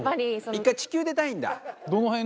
１回地球出たいんだ。